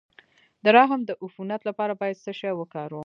د رحم د عفونت لپاره باید څه شی وکاروم؟